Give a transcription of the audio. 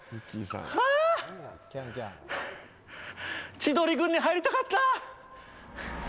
千鳥軍に入りたかった！